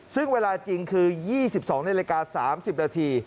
ซึ่งเวลาจริงคือ๒๒นาฬิกา๓๐นาที